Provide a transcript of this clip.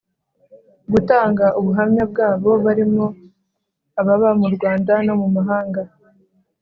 gutanga ubuhamya bwabo barimo ababa mu Rwanda no mu mahanga